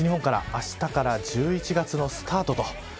あしたから１１月のスタートと。